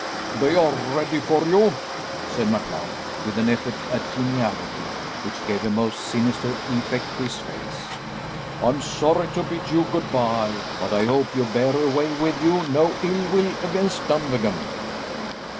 "They are ready for you," said MacLeod with an effort at geniality, which gave a most sinister effect to his face. "I am sorry to bid you good bye, but I hope you bear away with you no ill will against Dunvegan."